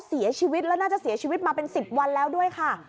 เสียชีวิตแล้วน่าจะเสียชีวิตมาเป็น๑๐วันแล้วด้วยค่ะ